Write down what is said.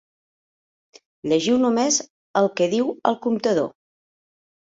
Llegiu només el que diu el comptador.